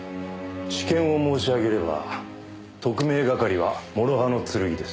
私見を申し上げれば特命係は諸刃の剣です。